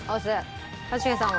一茂さんは？